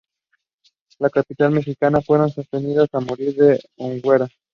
Los capitanes mexicas fueron sentenciados a morir en la hoguera.